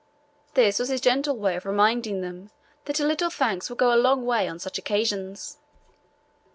This was his gentle way of reminding them that a little thanks will go a long way on such occasions.